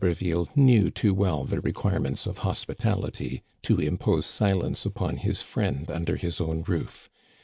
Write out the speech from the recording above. d'Habervîlle knew too well the requirements of hospitality to impose silence upon his friend under his own roof.